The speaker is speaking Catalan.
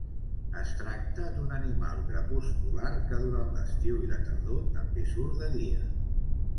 Es tracta d'un animal crepuscular que durant l'estiu i la tardor també surt de dia.